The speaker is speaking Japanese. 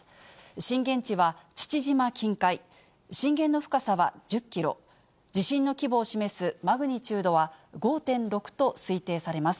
震源地は父島近海、震源の深さは１０キロ、地震の規模を示すマグニチュードは５．６と推定されます。